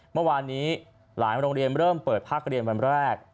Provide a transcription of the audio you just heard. เมื่อวานนี้หลายโรงเรียนเริ่มเปิดภาคเรียนวันแรก